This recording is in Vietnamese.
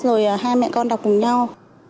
rồi hai mẹ con đọc cùng nhau